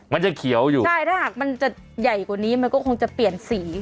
มันจะเขียวอยู่ใช่ถ้าหากมันจะใหญ่กว่านี้มันก็คงจะเปลี่ยนสี